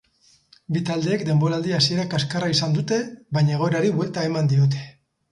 Bi taldeek denboraldi hasiera kaskarra izan dute, baina egoerari buelta eman diote.